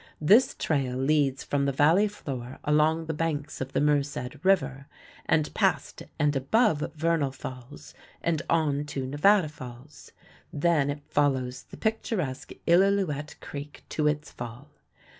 This trail leads from the valley floor along the banks of the Merced River and past and above Vernal Falls and on to Nevada Falls. Then it follows the picturesque Illilouette Creek to its fall.